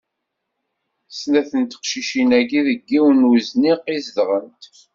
Snat n teqcicin-agi deg yiwen n uzniq i zedɣent.